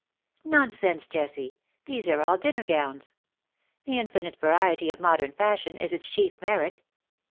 '^Nonsense, Jessie. These are all dinner gowns. The infinite variety of modern fashion is its chief merit.